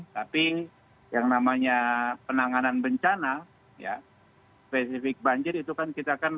tapi yang namanya penanganan bencana ya spesifik banjir itu kan kita kan